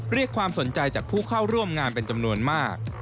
เรียกความสนใจจากผู้เข้าร่วมงานเป็นจำนวนมาก